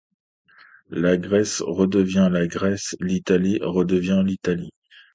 La Grèce redevient la Grèce, l’Italie redevient l’Italie.